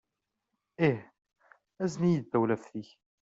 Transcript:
Ih. Azen-iyi-d tawlaft-ik.